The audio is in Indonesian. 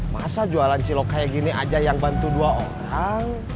masa jualan cilok kayak gini aja yang bantu dua orang